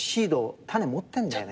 種持ってんだよね。